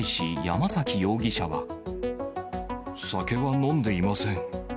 酒は飲んでいません。